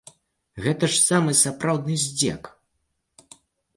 Гэта ж самы сапраўдны здзек!